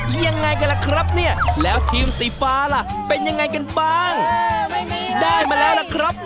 ยังไงกันล่ะครับเนี่ยแล้วทีมสีฟ้าล่ะเป็นยังไงกันบ้างได้มาแล้วล่ะครับ